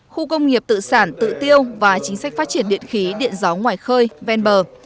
khu công nghiệp tự sản tự tiêu và chính sách phát triển điện khí điện gió ngoài khơi ven bờ